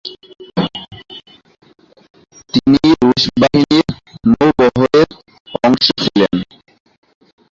তিনি রুশ বাহিনীর নৌবহরের অংশ ছিলেন।